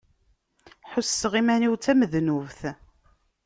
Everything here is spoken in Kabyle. Ḥusseɣ iman-iw d tamednubt.